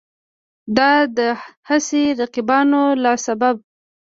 د دا هسې رقیبانو له سببه